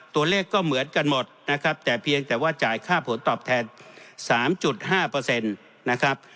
ตัวเลขก็เหมือนกันหมดนะครับแต่เพียงแต่ว่าจ่ายค่าผลตอบแทน๓๕นะครับ